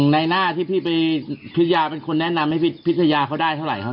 ในหน้าที่พี่ไปพิทยาเป็นคนแนะนำให้พิชยาเขาได้เท่าไหร่ครับ